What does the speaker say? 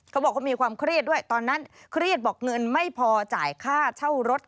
เขาบอกเขามีความเครียดด้วยตอนนั้นเครียดบอกเงินไม่พอจ่ายค่าเช่ารถ